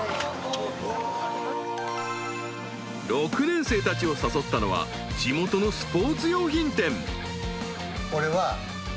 ［６年生たちを誘ったのは地元のスポーツ用品店］